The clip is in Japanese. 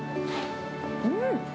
うん！